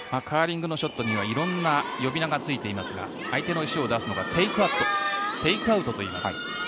カーリングのショットには色んな呼び名がついていますが相手の石を出すのをテイクアウトといいます。